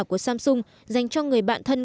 của samsung dành cho người bạn thân